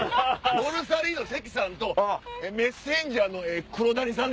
ボルサリーノ・関さんとメッセンジャーのクロダニさん。